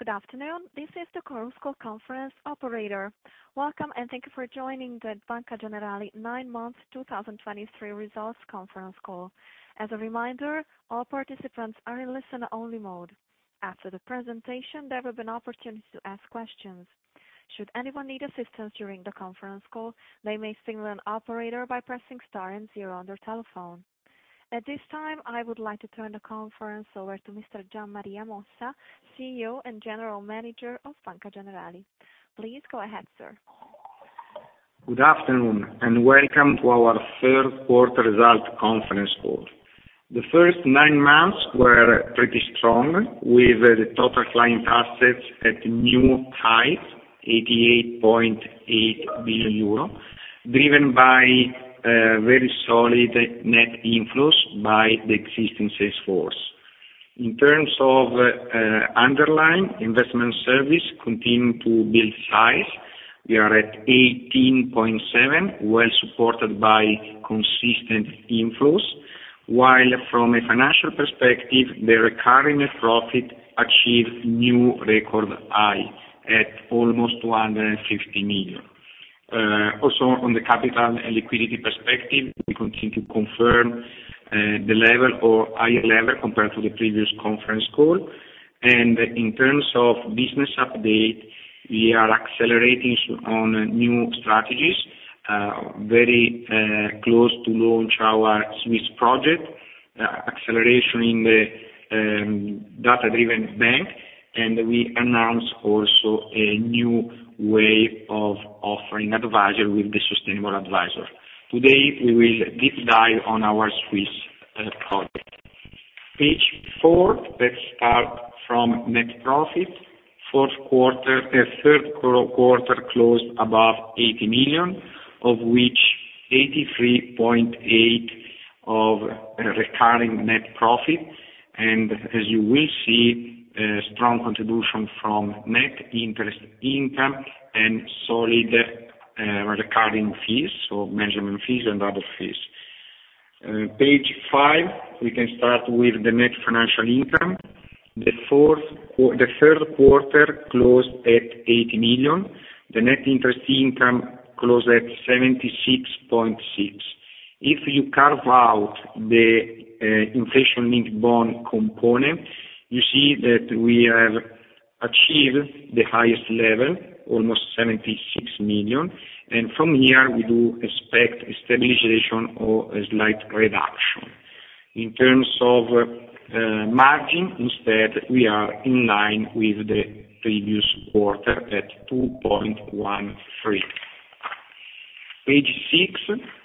Good afternoon. This is the Chorus Call Conference Operator. Welcome, and thank you for joining the Banca Generali 9 months, 2023 results conference call. As a reminder, all participants are in listen only mode. After the presentation, there will be an opportunity to ask questions. Should anyone need assistance during the conference call, they may signal an operator by pressing star and zero on their telephone. At this time, I would like to turn the conference over to Mr. Gian Maria Mossa, CEO and General Manager of Banca Generali. Please go ahead, sir. Good afternoon, and welcome to our third quarter result conference call. The first nine months were pretty strong, with the total client assets at new highs, 88,800,000,000 euro, driven by very solid net inflows by the existing sales force. In terms of underlying investment service continuing to build size, we are at 18,700,000,000, well supported by consistent inflows, while from a financial perspective, the recurring net profit achieved new record high at almost 250,000,000. Also, on the capital and liquidity perspective, we continue to confirm the level or higher level compared to the previous conference call. In terms of business update, we are accelerating on new strategies, very close to launch our Swiss project, acceleration in the data-driven bank, and we announce also a new way of offering advisor with the sustainable advisor. Today, we will deep dive on our Swiss project. Page four, let's start from net profit. Third quarter closed above 80,000,000, of which 83,800,000 of recurring net profit, and as you will see, a strong contribution from net interest income and solid recurring fees, so management fees and other fees. Page five, we can start with the net financial income. The third quarter closed at 80,000,000. The net interest income closed at 76,600,000. If you carve out the, inflation linked bond component, you see that we have achieved the highest level, almost 76,000,000, and from here, we do expect stabilization or a slight reduction. In terms of, margin, instead, we are in line with the previous quarter at 2.13. Page 6,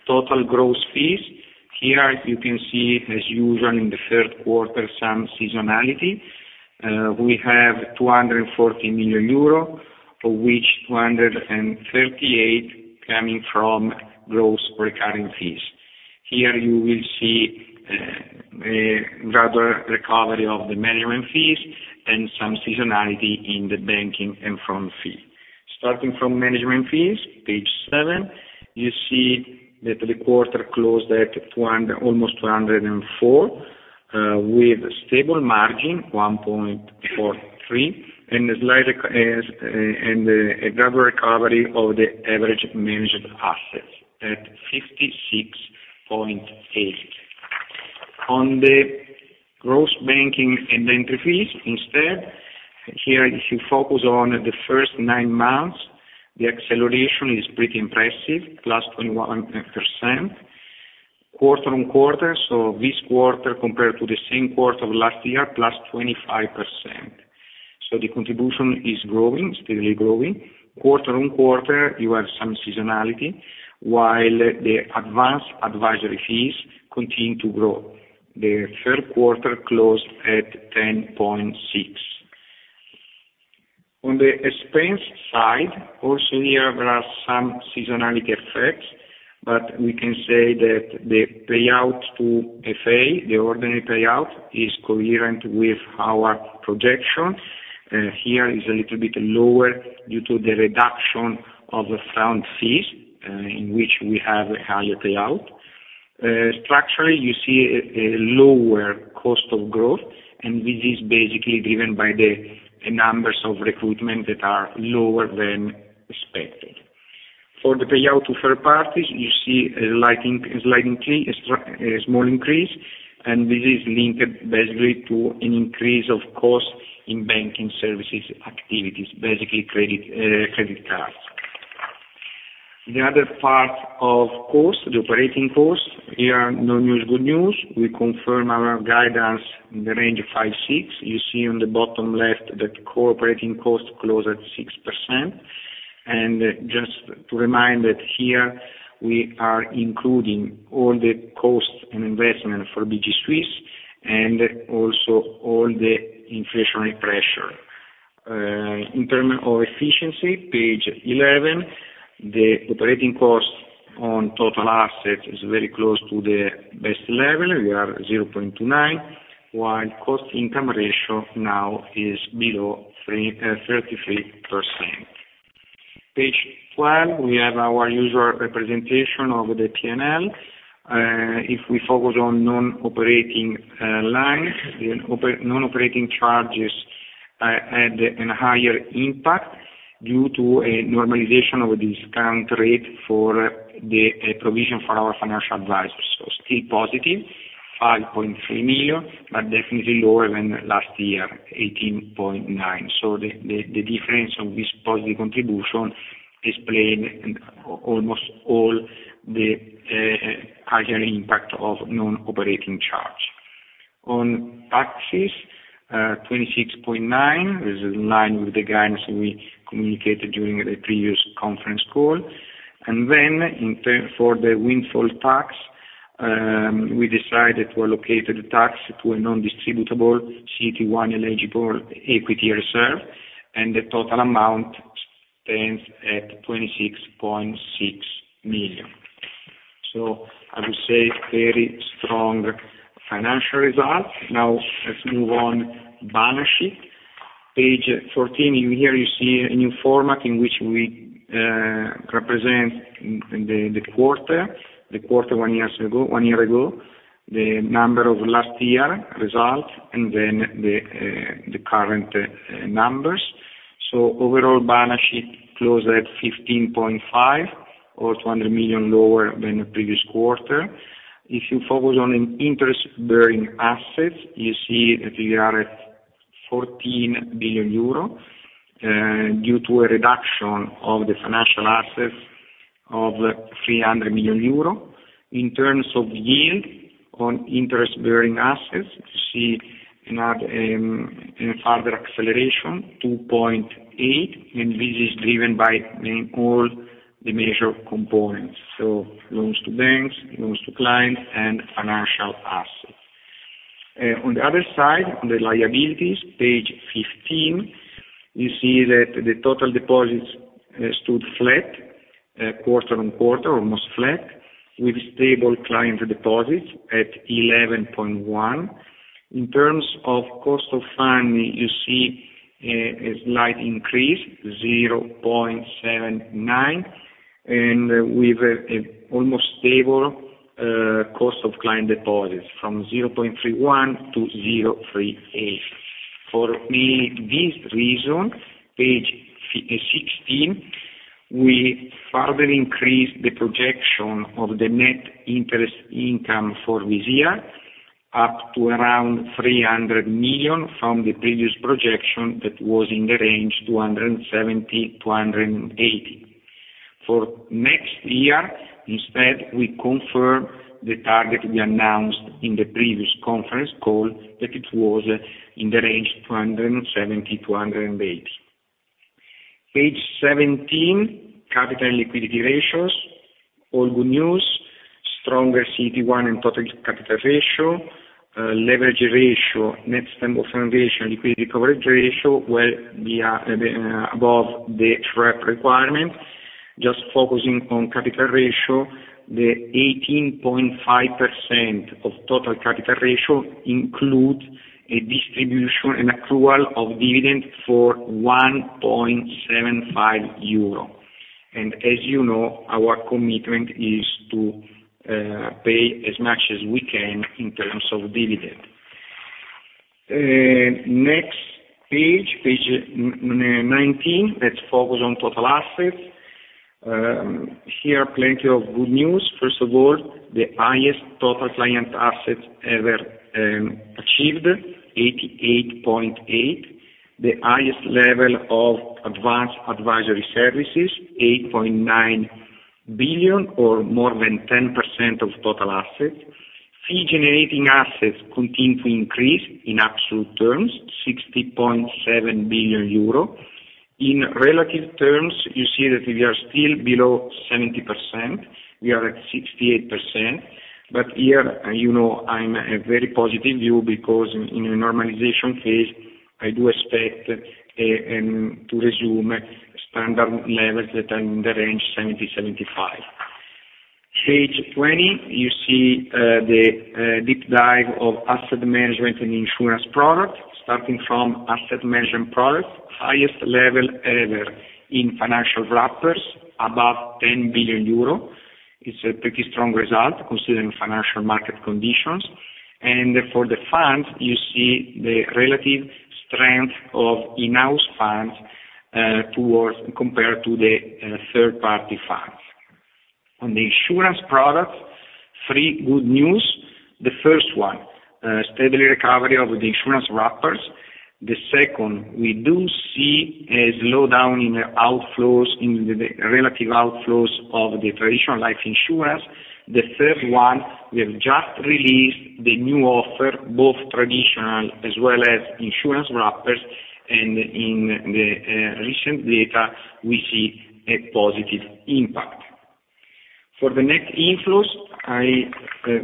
total gross fees. Here, you can see, as usual in the third quarter, some seasonality. We have 240,000,000 euro, of which 238 coming from gross recurring fees. Here you will see, a rather recovery of the management fees and some seasonality in the banking and front fee. Starting from management fees, page seven, you see that the quarter closed at 200, almost 204, with stable margin 1.43, and a slight, and a double recovery of the average manageable assets at 56.8. On the gross banking and entity fees, instead, here, if you focus on the first nine months, the acceleration is pretty impressive, +21%. Quarter-on-quarter, so this quarter compared to the same quarter of last year, +25%. So the contribution is growing, steadily growing. Quarter-on-quarter, you have some seasonality, while the advanced advisory fees continue to grow. The third quarter closed at 10.6. On the expense side, also here there are some seasonality effects, but we can say that the payout to FA, the ordinary payout, is coherent with our projections. Here is a little bit lower due to the reduction of front fees, in which we have a higher payout. Structurally, you see a lower cost of growth, and this is basically driven by the numbers of recruitment that are lower than expected. For the payout to third parties, you see a small increase, and this is linked basically to an increase of cost in banking services activities, basically credit, credit cards. The other part of cost, the operating cost, here, no news, good news. We confirm our guidance in the range of 5-6. You see on the bottom left, that core operating cost closed at 6%. Just to remind that here we are including all the costs and investment for BG Suisse, and also all the inflationary pressure. In terms of efficiency, page eleven, the operating cost on total assets is very close to the best level. We are 0.29, while cost income ratio now is below 33%.... Page twelve, we have our usual representation of the PNL. If we focus on non-operating lines, the non-operating charges had a higher impact due to a normalization of discount rate for the provision for our financial advisors. So still positive, 5,300,000, but definitely lower than last year, 18,900,000. So the difference of this positive contribution explained almost all the higher impact of non-operating charge. On taxes, 26.9, this is in line with the guidance we communicated during the previous conference call. And then in turn, for the Windfall Tax, we decided to allocate the tax to a non-distributable CET1 eligible equity reserve, and the total amount stands at 26,600,000. So I would say, very strong financial results. Now, let's move on, balance sheet. Page 13, in here you see a new format in which we represent in the quarter one year ago, one year ago, the number of last year results, and then the current numbers. So overall balance sheet closed at 15,500,000,000, or 200,000,000 lower than the previous quarter. If you focus on interest-bearing assets, you see a figure at 14,000,000,000 euro, due to a reduction of the financial assets of 300,000,000 euro. In terms of yield on interest-bearing assets, you see another, a further acceleration, 2.8%, and this is driven by all the major components, so loans to banks, loans to clients, and financial assets. On the other side, on the liabilities, page 15, you see that the total deposits stood flat, quarter-on-quarter, almost flat, with stable client deposits at 11,100,000,000. In terms of cost of funding, you see a slight increase, 0.79%, and with an almost stable cost of client deposits from 0.31% to 0.38%. For this reason, page 16, we further increase the projection of the net interest income for this year, up to around EUR 300,000,000from the previous projection that was in the range, 270,000,000-280,000,000. For next year, instead, we confirm the target we announced in the previous conference call, that it was in the range 270-280. Page 17, capital and liquidity ratios, all good news. Stronger CET1 and total capital ratio, leverage ratio, net stable funding ratio, and liquidity coverage ratio, well, we are above the track requirement. Just focusing on capital ratio, the 18.5% of total capital ratio include a distribution and accrual of dividend for 1.75 euro. And as you know, our commitment is to pay as much as we can in terms of dividend. Next page, page nineteen, let's focus on total assets. Here, plenty of good news. First of all, the highest total client assets ever achieved, 88.8. The highest level of Advanced Advisory Services, 8,900,000,000, or more than 10% of total assets. Fee Generating Assets continue to increase in absolute terms, 60,700,000,000 euro. In relative terms, you see that we are still below 70%. We are at 68%. But here, you know, I'm a very positive view because in a normalization phase, I do expect to resume standard levels that are in the range 70-75. Page 20, you see, the deep dive of asset management and insurance products. Starting from asset management products, highest level ever in Financial Wrappers, above 10,000,000,000 euro. It's a pretty strong result, considering financial market conditions. And for the funds, you see the relative strength of in-house funds, towards... compared to the third-party funds. On the insurance products, three good news. The first one, steady recovery of the Insurance Wrappers. The second, we do see a slowdown in the outflows, in the relative outflows of the traditional life insurance. The third one, we have just released the new offer, both traditional as well as Insurance Wrappers, and in the recent data, we see a positive impact. For the net inflows, I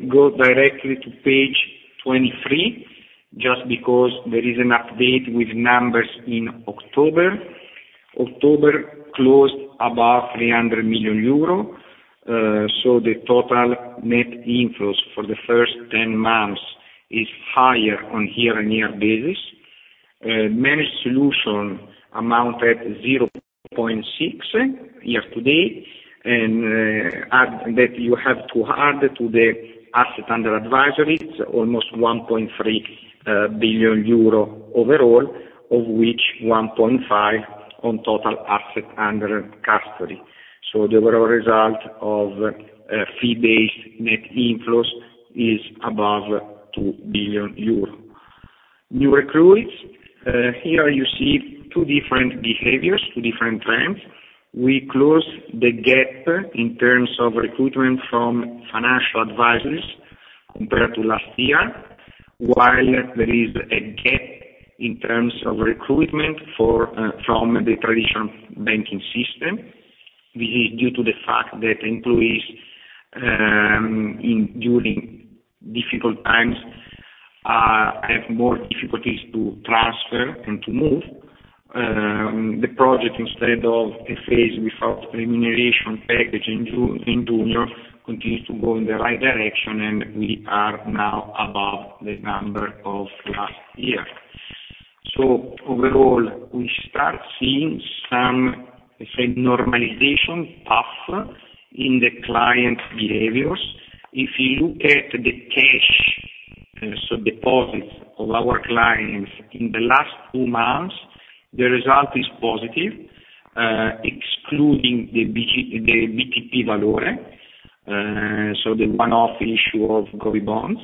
go directly to page 23, just because there is an update with numbers in October. October closed above 300,000,000 euro, so the total net inflows for the first 10 months is higher on year-on-year basis. Managed solutions amounted 0.6 year-to-date, and add that you have to add to the assets under advisory, almost 1,300,000,000 euro overall, of which 1.5 on total assets under custody. So the overall result of fee-based net inflows is above 2,000,000,000 euro. New recruits, here you see 2 different behaviors, 2 different trends. We close the gap in terms of recruitment from financial advisors compared to last year, while there is a gap in terms of recruitment for from the traditional banking system. This is due to the fact that employees in during difficult times have more difficulties to transfer and to move. The project, instead of a phase without remuneration package in junior, continues to go in the right direction, and we are now above the number of last year. So overall, we start seeing some, say, normalization path in the client behaviors. If you look at the cash, so deposits of our clients in the last two months, the result is positive, excluding the BG, the BTP Valeur, so the one-off issue of government bonds.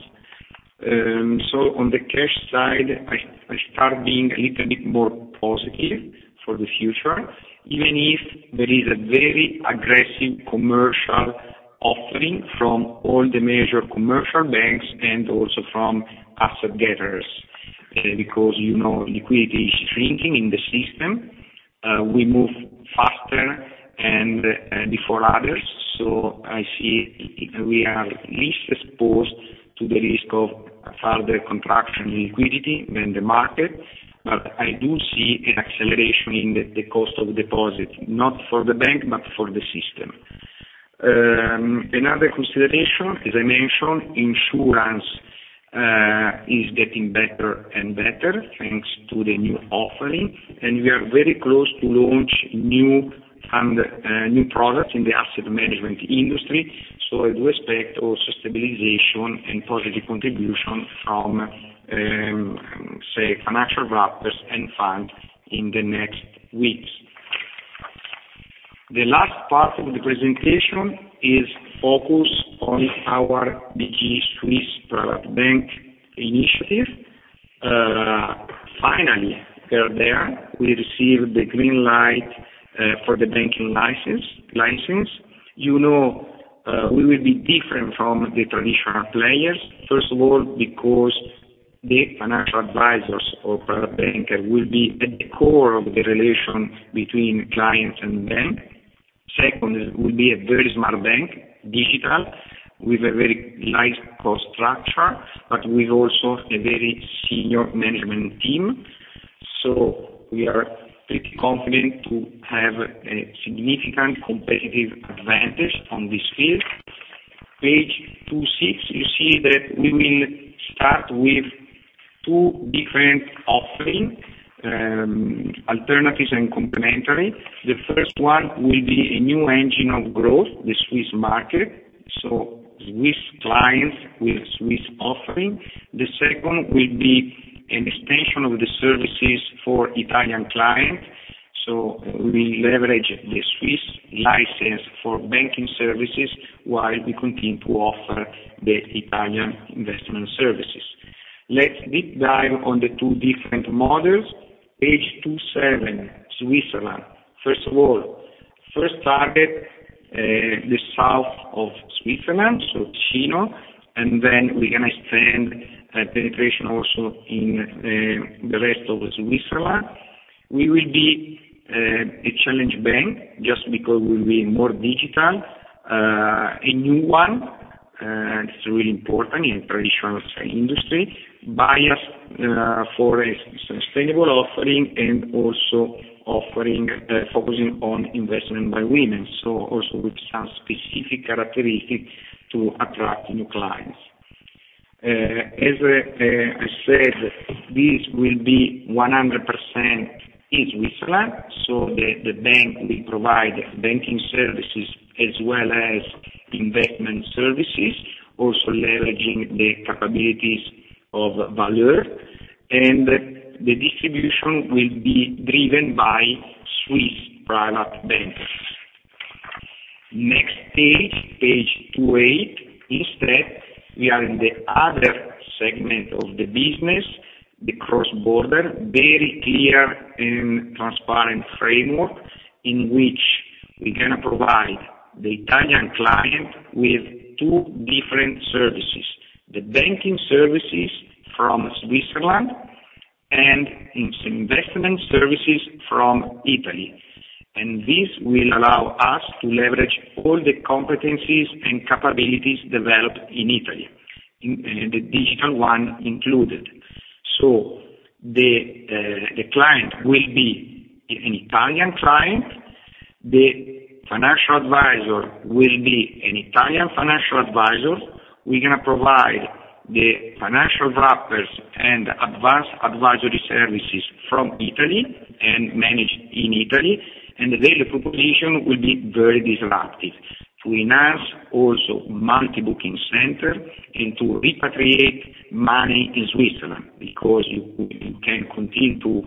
So on the cash side, I, I start being a little bit more positive for the future, even if there is a very aggressive commercial offering from all the major commercial banks and also from asset gatherers. Because, you know, liquidity is shrinking in the system, we move faster and, before others, so I see we are least exposed to the risk of further contraction in liquidity than the market. But I do see an acceleration in the, the cost of deposits, not for the bank, but for the system. Another consideration, as I mentioned, insurance is getting better and better, thanks to the new offering, and we are very close to launch new fund, new products in the asset management industry, so I do expect also stabilization and positive contribution from, say, financial wrappers and fund in the next weeks. The last part of the presentation is focused on our BG Suisse Private Bank initiative. Finally, they are there. We received the green light for the banking license. You know, we will be different from the traditional players. First of all, because the financial advisors or private banker will be at the core of the relation between client and bank. Second, it will be a very smart bank, digital, with a very light cost structure, but with also a very senior management team. So we are pretty confident to have a significant competitive advantage on this field. Page 26, you see that we will start with two different offering, alternatives and complementary. The first one will be a new engine of growth, the Swiss market, so Swiss clients with Swiss offering. The second will be an extension of the services for Italian client, so we leverage the Swiss license for banking services while we continue to offer the Italian investment services. Let's deep dive on the two different models. Page 27, Switzerland. First of all, first target, the south of Switzerland, so Ticino, and then we're going to extend penetration also in the rest of the Switzerland. We will be a challenge bank just because we'll be more digital, a new one, it's really important in traditional, say, industry. Bias for a sustainable offering and also offering focusing on investment by women, so also with some specific characteristics to attract new clients. As I said, this will be 100% in Switzerland, so the bank will provide banking services as well as investment services, also leveraging the capabilities of Valeur, and the distribution will be driven by Swiss private banks. Next page, page 28. Instead, we are in the other segment of the business, the cross-border. Very clear and transparent framework in which we're going to provide the Italian client with two different services: the banking services from Switzerland and investment services from Italy. This will allow us to leverage all the competencies and capabilities developed in Italy, in the digital one included. So the client will be an Italian client. The financial advisor will be an Italian financial advisor. We're going to provide the financial wrappers and Advanced Advisory Services from Italy, and managed in Italy, and the value proposition will be very disruptive. To enhance also multi booking center and to repatriate money in Switzerland, because you can continue to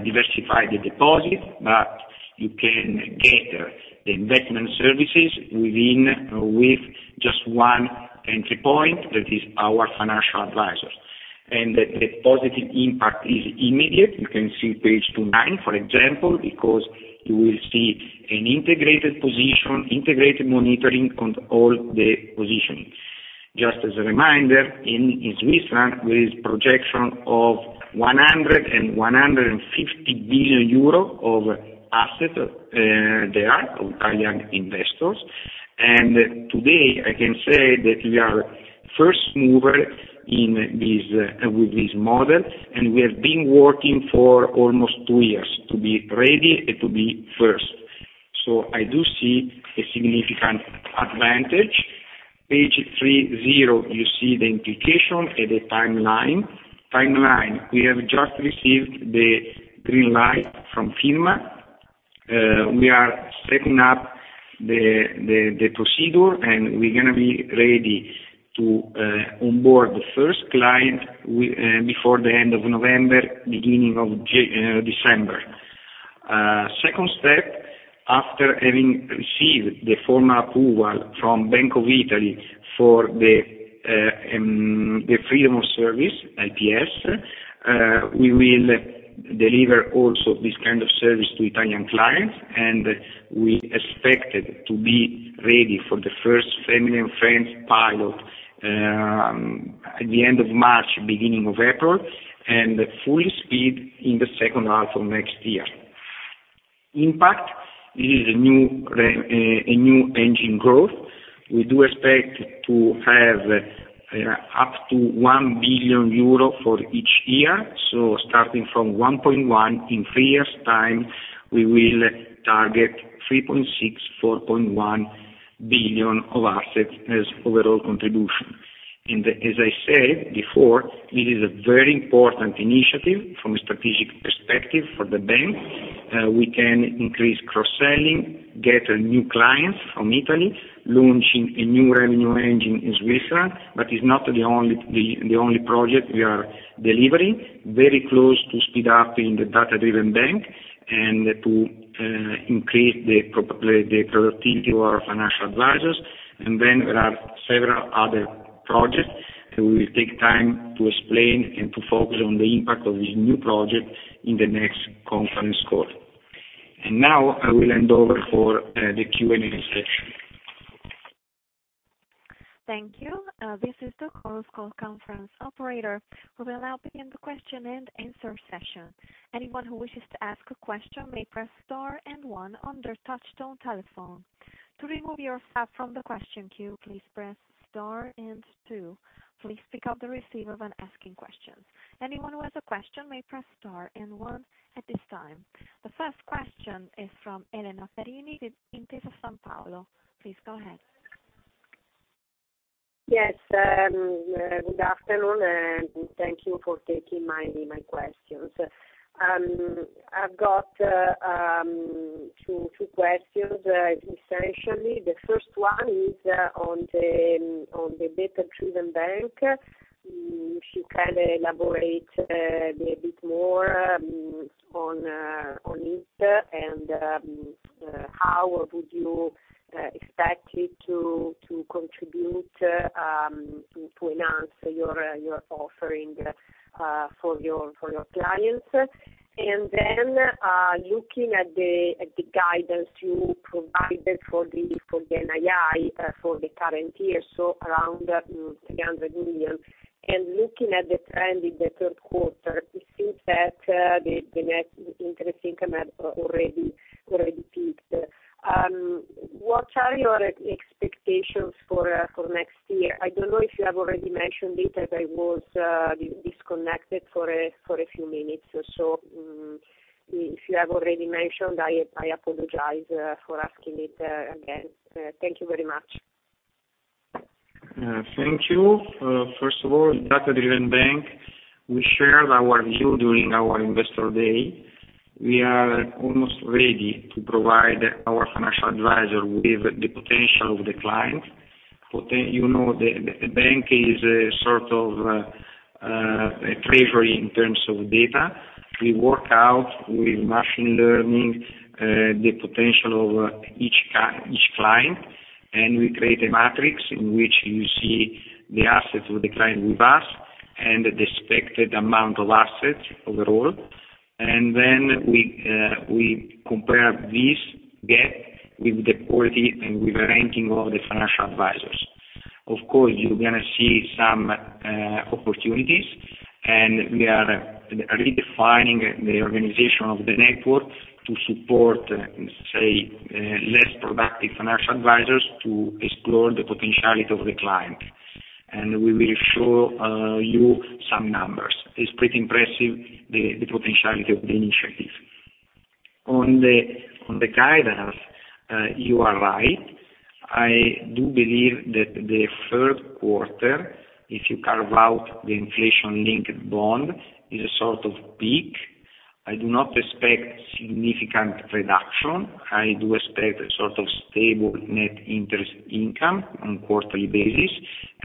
diversify the deposit, but you can get the investment services within, with just one entry point, that is our financial advisors. And the positive impact is immediate. You can see page 29, for example, because you will see an integrated position, integrated monitoring on all the positions. Just as a reminder, in Switzerland, there is projection of EUR 100,000,000,000and EUR 150,000,000,000of assets there are of Italian investors. Today, I can say that we are first mover in this with this model, and we have been working for almost 2 years to be ready and to be first. So I do see a significant advantage. Page 30, you see the implication and the timeline. Timeline, we have just received the green light from FINMA. We are setting up the procedure, and we're going to be ready to onboard the first client before the end of November, beginning of December. Second step, after having received the formal approval from Bank of Italy for the freedom of service, FPS, we will deliver also this kind of service to Italian clients, and we expected to be ready for the first family and friends pilot at the end of March, beginning of April, and full speed in the second half of next year. Impact, this is a new engine growth. We do expect to have up to EUR 1,000,000,000for each year. So starting from 1,100,000,000, in three years time, we will target 3,600,000,000-4,100,000,000 of assets as overall contribution. And as I said before, it is a very important initiative from a strategic perspective for the bank. We can increase cross-selling, get new clients from Italy, launching a new revenue engine in Switzerland, but it's not the only project we are delivering. Very close to speed up in the data-driven bank, and to increase probably the productivity of our financial advisors. Then there are several other projects that we will take time to explain and to focus on the impact of this new project in the next conference call. Now I will hand over for the Q&A session. Thank you. This is the host call conference operator. We will now begin the question and answer session. Anyone who wishes to ask a question may press star and one on their touchtone telephone. To remove yourself from the question queue, please press star and two. Please pick up the receiver when asking questions. Anyone who has a question may press star and one at this time. The first question is from Elena Perini, in Intesa Sanpaolo. Please go ahead. Yes, good afternoon, and thank you for taking my questions. I've got two questions. Essentially, the first one is on the data-driven bank. If you can elaborate a bit more on it, and how would you expect it to contribute to enhance your offering for your clients? And then, looking at the guidance you provided for the NII for the current year, so around 300,000,000. And looking at the trend in the third quarter, it seems that the net interest income have already peaked. What are your expectations for next year? I don't know if you have already mentioned it, as I was disconnected for a few minutes or so. If you have already mentioned it, I apologize for asking it again. Thank you very much. Thank you. First of all, data-driven bank, we shared our view during our Investor Day. We are almost ready to provide our financial advisor with the potential of the client. You know, the bank is a sort of treasury in terms of data. We work out with machine learning the potential of each client, and we create a matrix in which you see the assets of the client with us and the expected amount of assets overall. And then we compare this gap with the quality and with the ranking of the financial advisors. Of course, you're going to see some opportunities, and we are redefining the organization of the network to support, say, less productive financial advisors to explore the potentiality of the client. And we will show you some numbers. It's pretty impressive, the potentiality of the initiative. On the guidance, you are right. I do believe that the third quarter, if you carve out the inflation-linked bond, is a sort of peak. I do not expect significant reduction. I do expect a sort of stable net interest income on quarterly basis,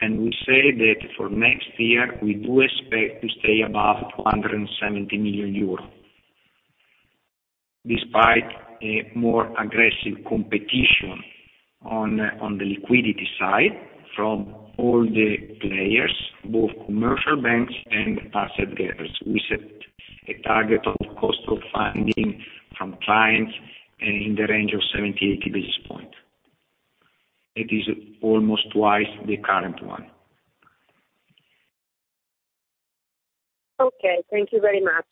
and we say that for next year, we do expect to stay above 270,000,000 euros. Despite a more aggressive competition on the liquidity side from all the players, both commercial banks and asset gatherers, we set a target of cost of funding from clients in the range of 70-80 basis point. It is almost twice the current one. Okay. Thank you very much.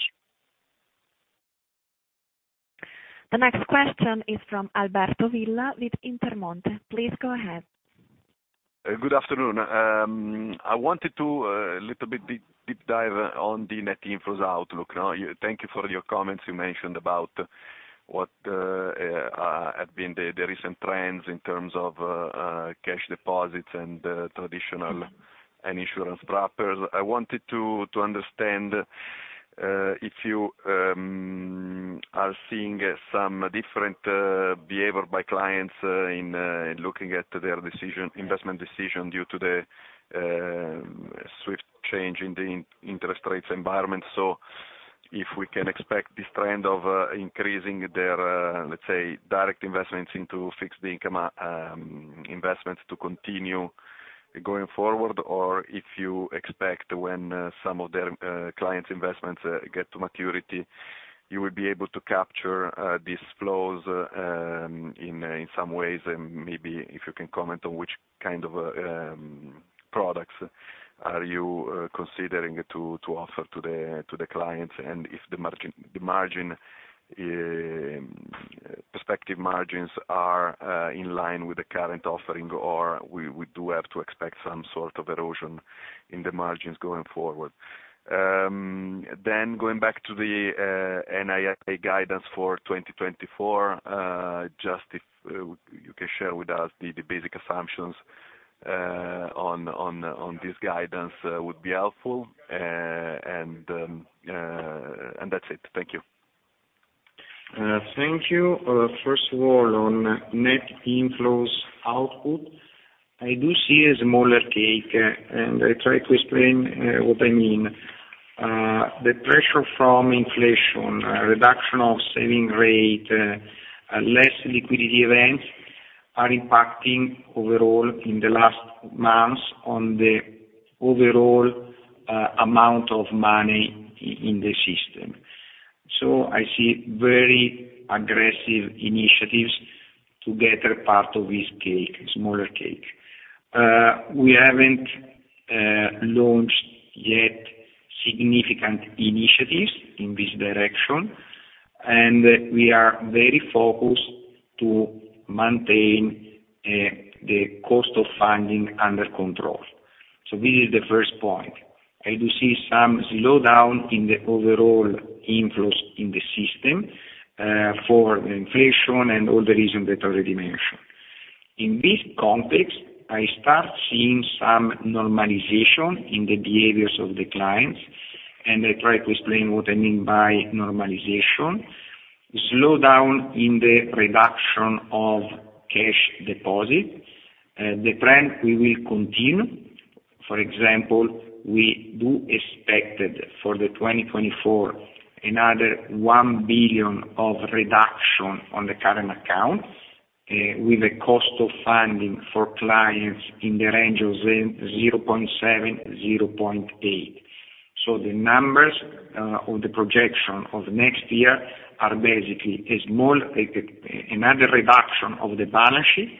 The next question is from Alberto Villa with Intermonte. Please go ahead. Good afternoon. I wanted to little bit deep dive on the net inflows outlook. Now, thank you for your comments. You mentioned about what have been the recent trends in terms of cash deposits and traditional and insurance wrappers. I wanted to understand if you are seeing some different behavior by clients in looking at their investment decision due to the swift change in the interest rates environment. So if we can expect this trend of increasing their, let's say, direct investments into fixed income investments to continue going forward, or if you expect when some of their clients investments get to maturity, you will be able to capture these flows in some ways, and maybe if you can comment on which kind of products are you considering to offer to the clients, and if the margin, the margin, prospective margins are in line with the current offering, or we do have to expect some sort of erosion in the margins going forward. Then going back to the NII guidance for 2024, just if you can share with us the basic assumptions on this guidance, would be helpful. And that's it. Thank you. Thank you. First of all, on net inflows output, I do see a smaller cake, and I try to explain what I mean. The pressure from inflation, reduction of saving rate, less liquidity events are impacting overall in the last months on the overall amount of money in the system. So I see very aggressive initiatives to get a part of this cake, smaller cake. We haven't launched yet significant initiatives in this direction, and we are very focused to maintain the cost of funding under control. So this is the first point. I do see some slowdown in the overall inflows in the system, for inflation and all the reasons that I already mentioned. In this context, I start seeing some normalization in the behaviors of the clients, and I try to explain what I mean by normalization. Slowdown in the reduction of cash deposits, the trend we will continue. For example, we do expect for 2024 another 1,000,000,000 of reduction on the current account, with a cost of funding for clients in the range of 0.7-0.8. So the numbers or the projection of next year are basically a small, another reduction of the balance sheet,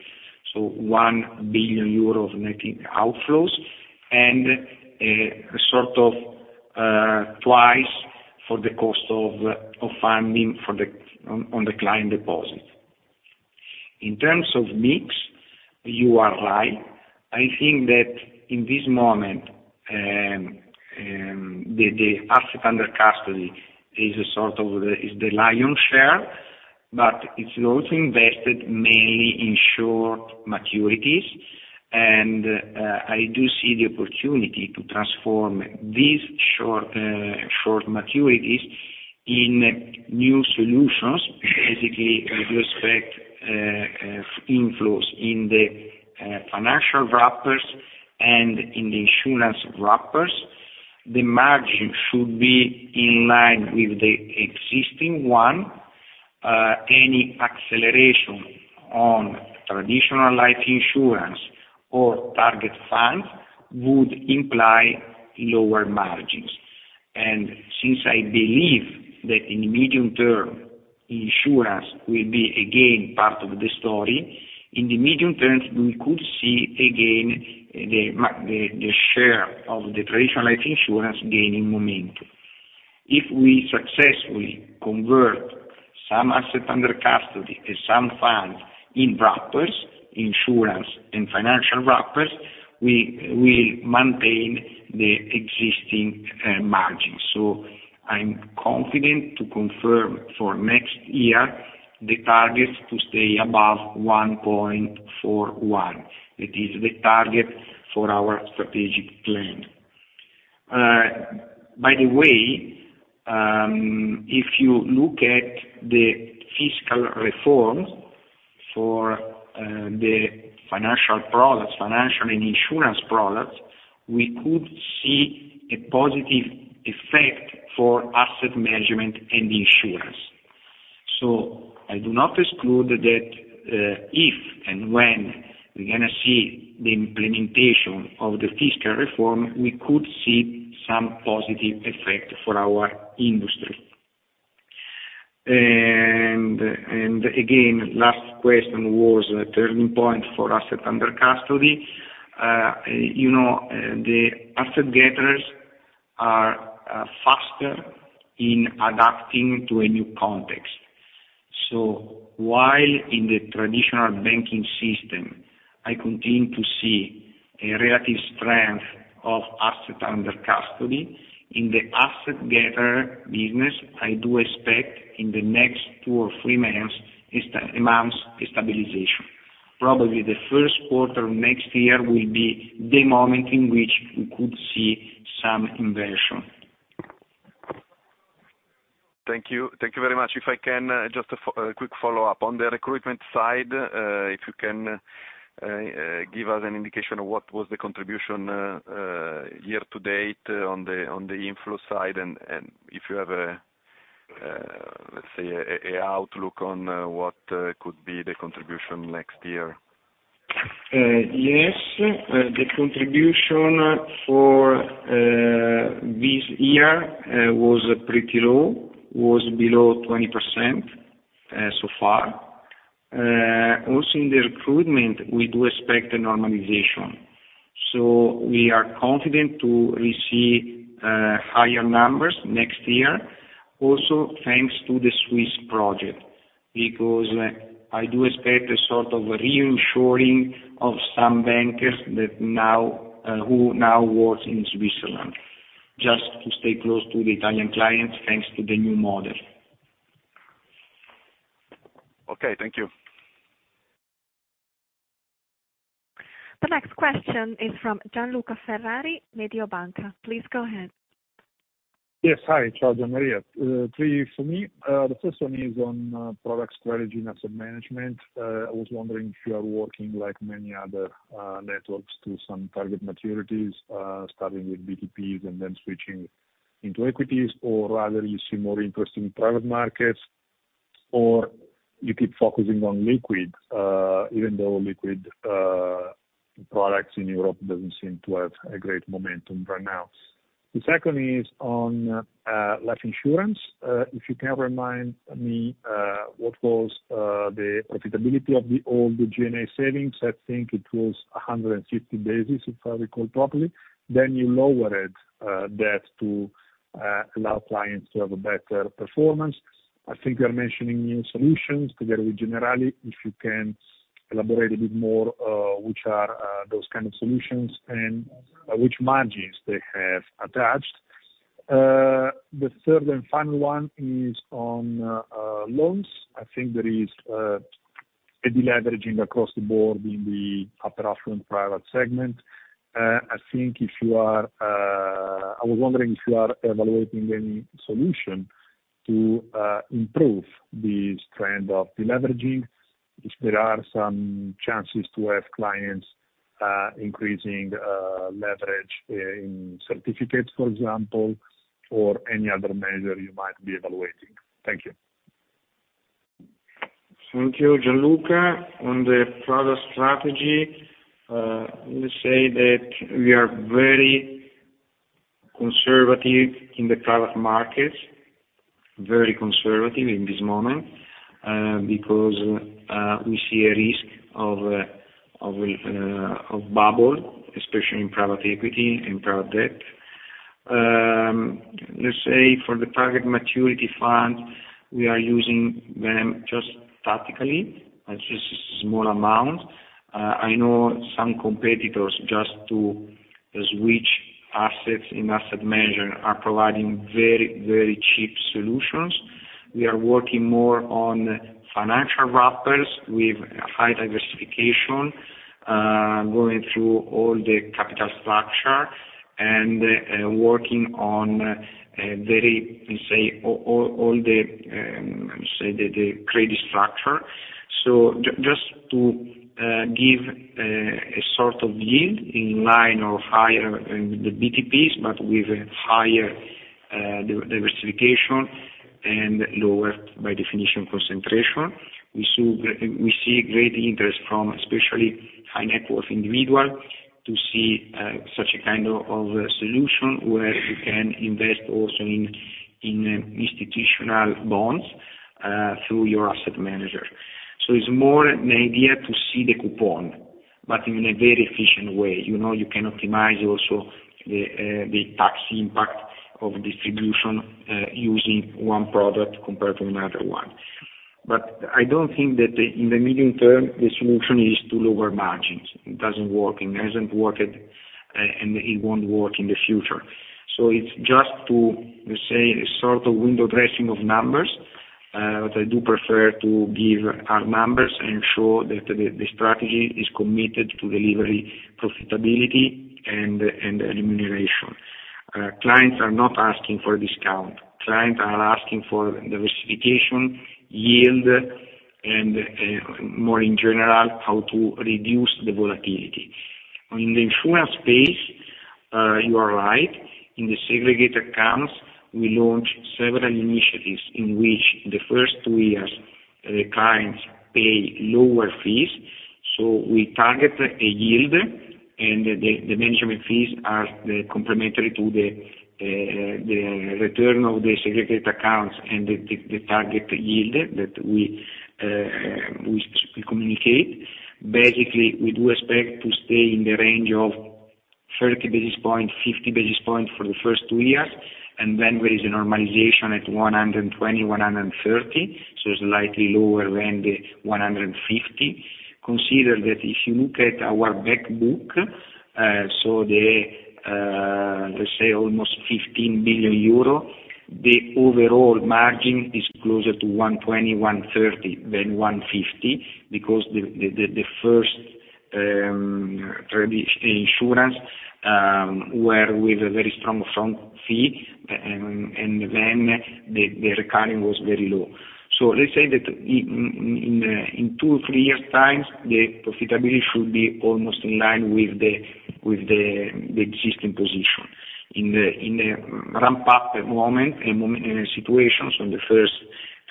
so EUR 1,000,000,000of net outflows, and a sort of twice for the cost of funding for the on the client deposits. In terms of mix, you are right. I think that in this moment, the asset under custody is a sort of the lion's share, but it's also invested mainly in short maturities, and I do see the opportunity to transform these short maturities in new solutions. Basically, I do expect inflows in the financial wrappers and in the insurance wrappers. The margin should be in line with the existing one. Any acceleration on traditional life insurance or target funds would imply lower margins. And since I believe that in the medium term, insurance will be again part of the story, in the medium term, we could see again the share of the traditional life insurance gaining momentum. If we successfully convert some asset under custody and some funds in wrappers, insurance and financial wrappers, we maintain the existing margin. So I'm confident to confirm for next year the targets to stay above 1.41. It is the target for our strategic plan. By the way, if you look at the fiscal reform for the financial products, financial and insurance products, we could see a positive effect for asset management and insurance. So I do not exclude that, if and when we're going to see the implementation of the fiscal reform, we could see some positive effect for our industry. And again, last question was a turning point for asset under custody. You know, the asset gatherers are faster in adapting to a new context. So while in the traditional banking system, I continue to see a relative strength of asset under custody, in the asset gatherer business, I do expect in the next two or three months a stabilization. Probably the first quarter of next year will be the moment in which we could see some inversion. Thank you. Thank you very much. If I can, just a quick follow-up. On the recruitment side, if you can, give us an indication of what was the contribution, year to date on the inflow side, and if you have a, let's say, a outlook on what could be the contribution next year? Yes. The contribution for this year was pretty low, was below 20%, so far. Also in the recruitment, we do expect a normalization. So we are confident to receive higher numbers next year. Also, thanks to the Swiss project, because I do expect a sort of reinsuring of some bankers that now, who now work in Switzerland, just to stay close to the Italian clients, thanks to the new model. Okay, thank you. The next question is from Gian Luca Ferrari, Mediobanca. Please go ahead. Yes. Hi, Ciao, Gian Maria. Three for me. The first one is on product strategy and asset management. I was wondering if you are working like many other networks to some target maturities, starting with BTPs and then switching into equities, or rather you see more interest in private markets, or you keep focusing on liquid, even though liquid products in Europe doesn't seem to have a great momentum right now. The second is on life insurance. If you can remind me, what was the profitability of the old GS savings? I think it was 150 basis, if I recall properly. Then you lowered that to allow clients to have a better performance. I think you're mentioning new solutions together with Generali. If you can elaborate a bit more, which are those kind of solutions and which margins they have attached? The third and final one is on loans. I think there is a deleveraging across the board in the upper affluent private segment. I was wondering if you are evaluating any solution to improve this trend of deleveraging, if there are some chances to have clients increasing leverage in certificates, for example, or any other measure you might be evaluating. Thank you. Thank you, Gianluca. On the product strategy, let's say that we are very conservative in the private markets, very conservative in this moment, because we see a risk of bubble, especially in private equity and private debt. Let's say for the target maturity fund, we are using them just tactically, it's just a small amount. I know some competitors, just to switch assets in asset management, are providing very, very cheap solutions. We are working more on financial wrappers with high diversification, going through all the capital structure and working on very, let's say, all the credit structure. So just to give a sort of yield in line of higher the BTPs, but with higher diversification and lower, by definition, concentration. We see, we see great interest from especially high net worth individual to see such a kind of, of a solution where you can invest also in, in institutional bonds through your asset manager. So it's more an idea to see the coupon, but in a very efficient way. You know, you can optimize also the, the tax impact of distribution using one product compared to another one. But I don't think that the, in the medium term, the solution is to lower margins. It doesn't work, it hasn't worked, and, and it won't work in the future. So it's just to, let's say, a sort of window dressing of numbers, but I do prefer to give our numbers and show that the, the strategy is committed to delivery profitability and, and remuneration. Clients are not asking for a discount. Clients are asking for diversification, yield, and, more in general, how to reduce the volatility. In the insurance space, you are right. In the Segregated Accounts, we launched several initiatives in which the first two years, the clients pay lower fees. So we target a yield, and the management fees are the complementary to the return of the Segregated Accounts and the target yield that we communicate. Basically, we do expect to stay in the range of 30-50 basis point for the first two years, and then there is a normalization at 120-130, so slightly lower than the 150. Consider that if you look at our back book, so the, let's say almost 15,000,000,000 euro, the overall margin is closer to 120, 130 than 150, because the first traditional insurance were with a very strong front fee, and then the recurring was very low. So let's say that in 2, 3 years' time, the profitability should be almost in line with the existing position. In the ramp up moment, a moment in a situation, so in the first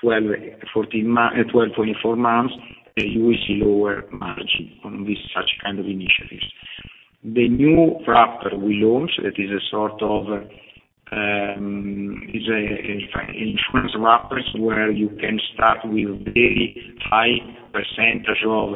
12-14 months... 12-24 months, you will see lower margin on this such kind of initiatives. The new wrapper we launched, it is a sort of is a insurance wrappers, where you can start with very high percentage of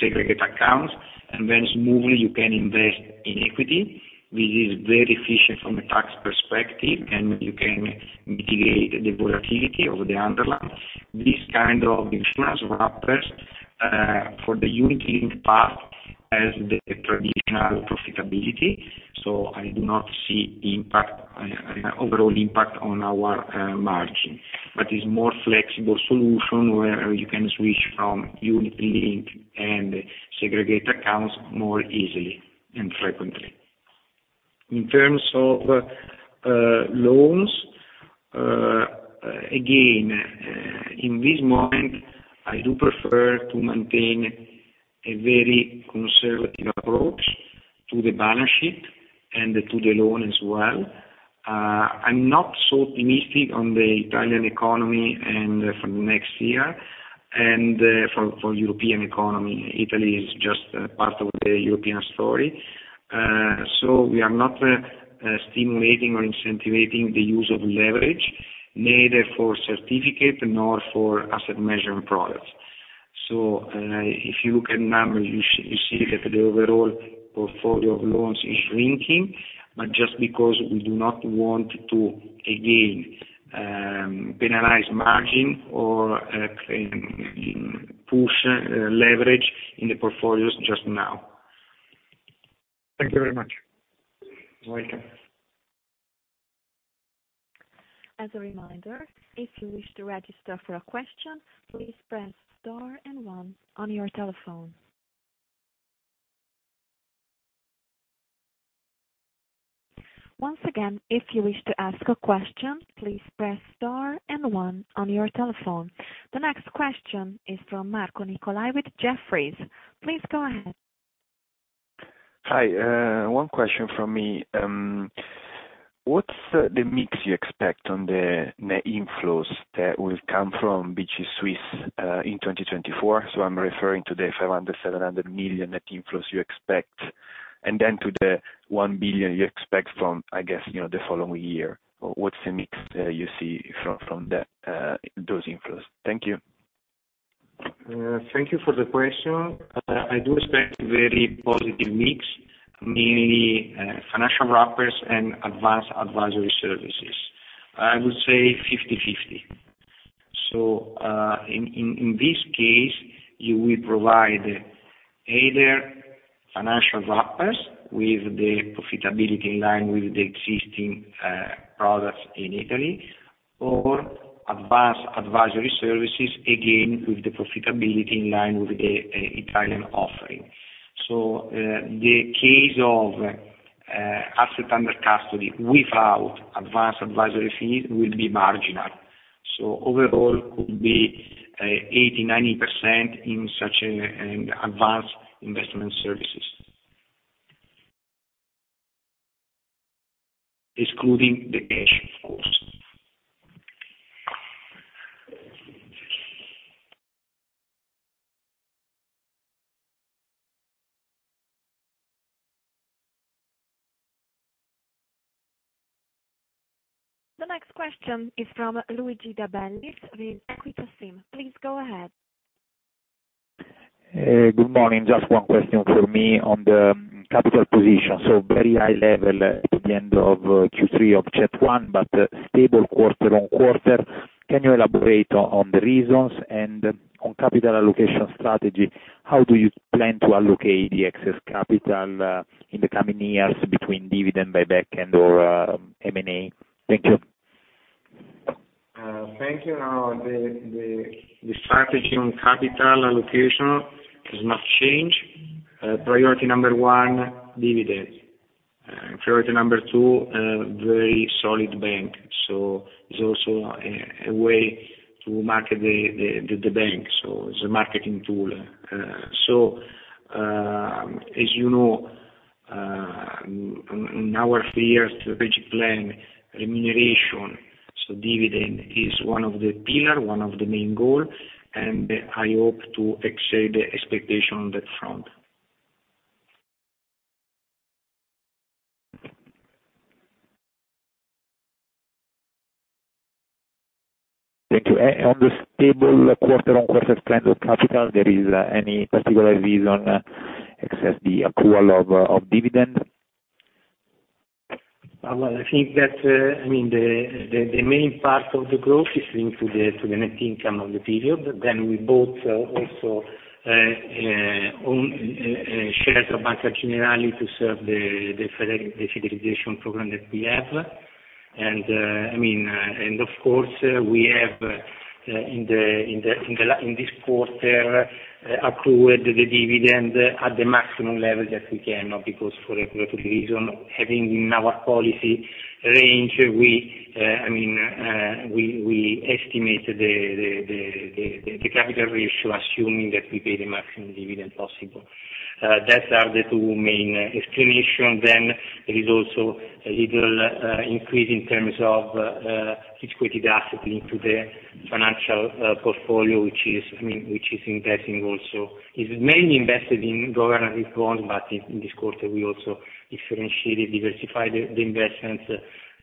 segregated accounts, and then smoothly you can invest in equity, which is very efficient from a tax perspective, and you can mitigate the volatility of the underlying. This kind of insurance wrappers for the unit-linked part has the traditional profitability, so I do not see impact, overall impact on our margin. But it's more flexible solution where you can switch from unit-linked and segregated accounts more easily and frequently. In terms of loans, again, in this moment, I do prefer to maintain a very conservative approach to the balance sheet and to the loan as well. I'm not so optimistic on the Italian economy and for the next year and for European economy. Italy is just a part of the European story. So we are not stimulating or incentivizing the use of leverage, neither for certificate nor for asset management products. So, if you look at numbers, you see that the overall portfolio of loans is shrinking, but just because we do not want to, again, penalize margin or, push leverage in the portfolios just now. Thank you very much. Welcome. As a reminder, if you wish to register for a question, please press star and one on your telephone. Once again, if you wish to ask a question, please press star and one on your telephone. The next question is from Marco Nicolai with Jefferies. Please go ahead. Hi, one question from me. What's the mix you expect on the net inflows that will come from BG Suisse in 2024? So I'm referring to the 500,000,000-700,000,000 net inflows you expect, and then to the 1,000,000,000 you expect from, I guess, you know, the following year. What's the mix you see from that those inflows? Thank you. Thank you for the question. I do expect very positive mix, mainly, financial wrappers and advanced advisory services. I would say 50/50. So, in this case, you will provide either financial wrappers with the profitability in line with the existing, products in Italy, or advanced advisory services, again, with the profitability in line with the, Italian offering. So, the case of, asset under custody without advanced advisory fees will be marginal. So overall, could be, 80%-90% in such an advanced investment services. Excluding the cash, of course. Thank you.... The next question is from Luigi De Bellis with Equita SIM. Please go ahead. Good morning. Just one question for me on the capital position. So very high level at the end of Q3 of 2021, but stable quarter-over-quarter. Can you elaborate on the reasons and on capital allocation strategy? How do you plan to allocate the excess capital in the coming years between dividend buyback and or M&A? Thank you. Thank you. Now, the strategy on capital allocation does not change. Priority number one, dividend. Priority number two, very solid bank. So it's also a way to market the bank, so it's a marketing tool. So, as you know, in our three-year strategic plan, remuneration, so dividend is one of the pillar, one of the main goal, and I hope to exceed the expectation on that front. Thank you. And on the stable quarter-on-quarter plan of capital, there is any particular reason, except the accrual of dividend? Well, I think that, I mean, the main part of the growth is linked to the net income of the period. Then we bought also own shares of Banca Generali to serve the federalization program that we have. And, I mean, and of course, we have in this quarter accrued the dividend at the maximum level that we can, because for regulatory reason, having in our policy range, we, I mean, we estimate the capital ratio, assuming that we pay the maximum dividend possible. That are the two main explanation. Then there is also a little increase in terms of liquidated asset into the financial portfolio, which is, I mean, which is investing also. It's mainly invested in government bonds, but in this quarter, we also differentiated, diversified the investments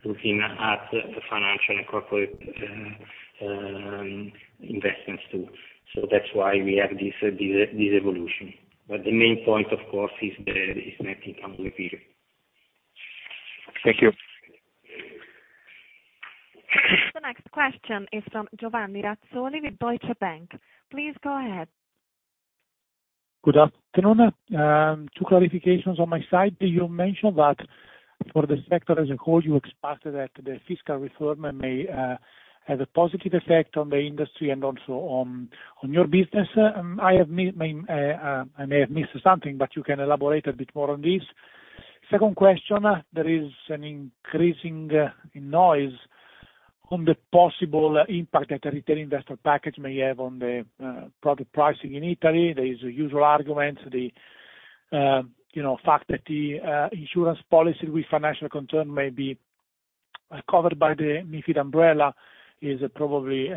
looking at the financial and corporate investments, too. So that's why we have this evolution. But the main point, of course, is net income of the period. Thank you. The next question is from Giovanni Razzoli with Deutsche Bank. Please go ahead. Good afternoon. Two clarifications on my side. You mentioned that for the sector as a whole, you expected that the fiscal reform may have a positive effect on the industry and also on your business. I may have missed something, but you can elaborate a bit more on this. Second question, there is an increasing noise on the possible impact that the Retail Investor Package may have on the product pricing in Italy. There is a usual argument, the you know, fact that the insurance policy with financial concern may be covered by the MiFID umbrella, is probably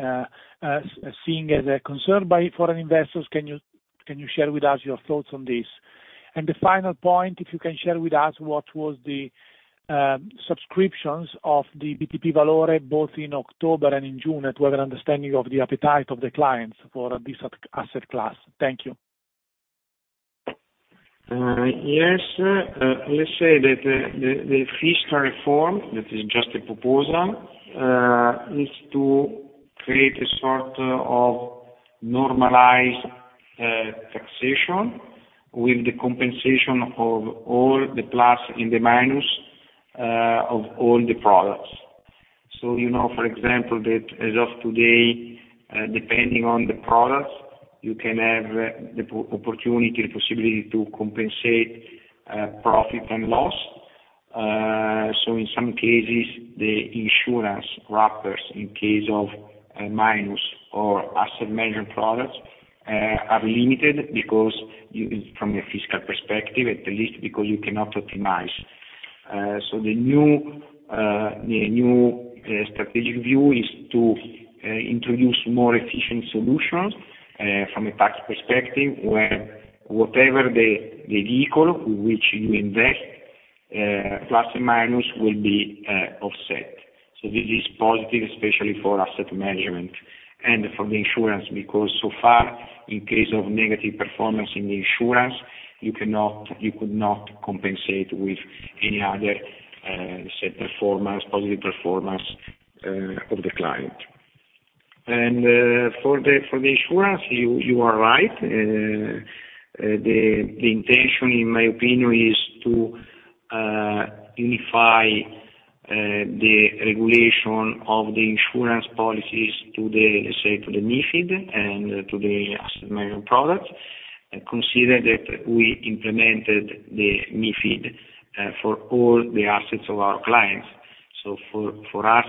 seen as a concern by foreign investors. Can you share with us your thoughts on this? The final point, if you can share with us, what was the subscriptions of the BTP Valeur, both in October and in June, to have an understanding of the appetite of the clients for this asset class. Thank you. Yes. Let's say that the fiscal reform, that is just a proposal, is to create a sort of normalized taxation with the compensation of all the plus and the minus of all the products. So, you know, for example, that as of today, depending on the products, you can have the opportunity, the possibility to compensate profit and loss. So in some cases, the insurance wrappers, in case of a minus or asset management products, are limited because you, from a fiscal perspective, at least because you cannot optimize. So the new strategic view is to introduce more efficient solutions from a tax perspective, where whatever the vehicle with which you invest, plus or minus will be offset. So this is positive, especially for asset management and for the insurance, because so far, in case of negative performance in the insurance, you cannot - you could not compensate with any other, say, performance, positive performance, of the client. And, for the insurance, you are right. The intention, in my opinion, is to unify the regulation of the insurance policies to the, say, to the MiFID and to the asset management products, and consider that we implemented the MiFID for all the assets of our clients. So for us,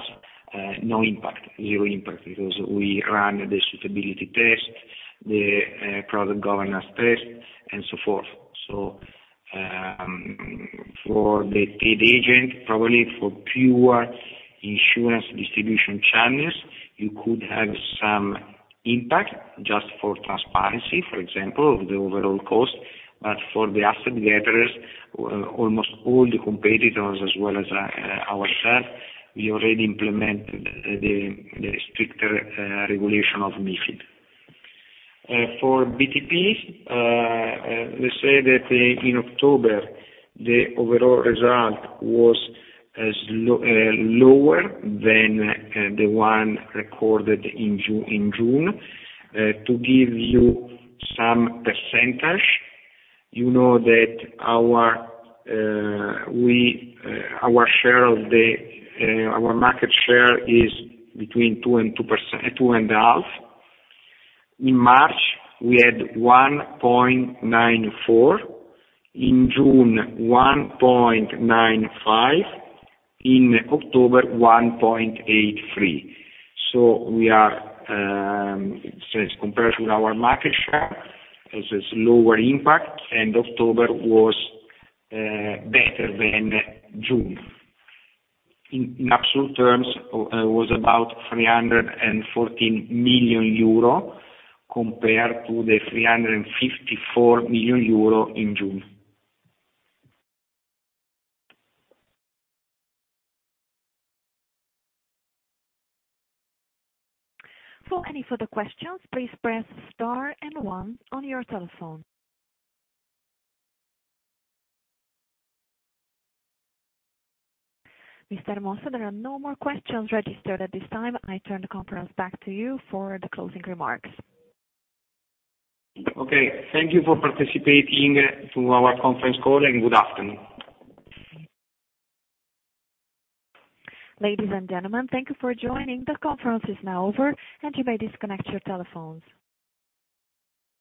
no impact, zero impact, because we run the suitability test, the product governance test, and so forth. So, for the paid agent, probably for pure insurance distribution channels-... You could have some impact just for transparency, for example, the overall cost, but for the asset gatherers, almost all the competitors as well as ourselves, we already implemented the stricter regulation of MiFID. For BTPs, let's say that in October, the overall result was lower than the one recorded in June. To give you some percentage, you know that our market share is between 2%-2.5%. In March, we had 1.94%, in June, 1.95%, in October, 1.83%. So as compared to our market share, it's a slower impact, and October was better than June. In absolute terms, it was about EUR 314,000,000compared to EUR 354,000,000in June. For any further questions, please press star and one on your telephone. Mr. Mossa, there are no more questions registered at this time. I turn the conference back to you for the closing remarks. Okay. Thank you for participating to our conference call, and good afternoon. Ladies and gentlemen, thank you for joining. The conference is now over, and you may disconnect your telephones.